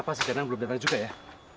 kamu bukan dana yang aku kenal